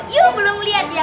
yuk belum lihat ya